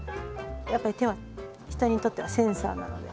やっぱり手は人にとってはセンサーなので。